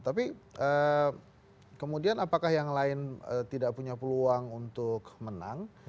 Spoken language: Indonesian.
tapi kemudian apakah yang lain tidak punya peluang untuk menang